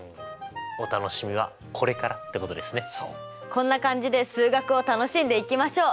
こんな感じで数学を楽しんでいきましょう！